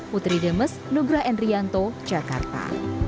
putri demes nugra endrianto jakarta